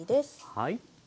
はい。